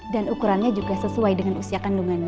dan ukurannya juga sesuai dengan usia kandungannya